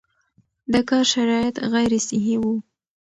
د کار شرایط غیر صحي وو